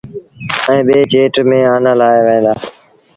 ائيٚݩ ٻيٚ چيٽ ميݩ آنآ لآوهيݩ دآ۔